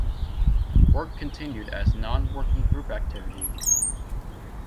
Work continued as non-working-group activity.